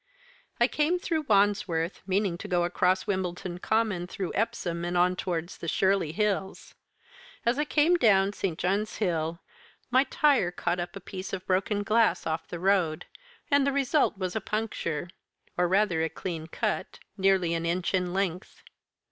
I came through Wandsworth, meaning to go across Wimbledon Common, through Epsom, and on towards the Shirley Hills. As I came down St. John's Hill my tyre caught up a piece of broken glass off the road, and the result was a puncture, or rather a clean cut, nearly an inch in length.